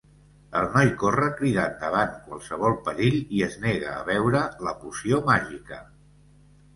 El noi corre cridant davant qualsevol perill i es nega a beure la poció màgica.